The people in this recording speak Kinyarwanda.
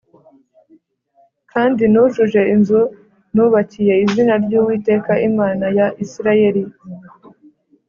Kandi nujuje inzu nubakiye izina ry’Uwiteka Imana ya Isirayeli